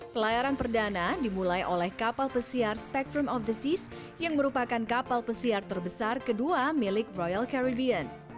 pelayaran perdana dimulai oleh kapal pesiar spektrum of the seas yang merupakan kapal pesiar terbesar kedua milik royal carribean